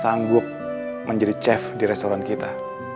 naya memang sanggup menjadi chef di restoran kita